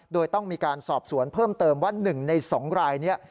โดยต้องมีการสอบสวนเพิ่มเติมว่า๑ใน๒รายนี้